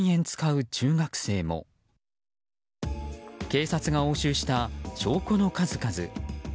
警察が押収した証拠の数々。